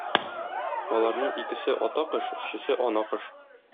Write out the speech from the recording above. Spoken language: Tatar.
Аларның икесе ата кош, өчесе ана кош.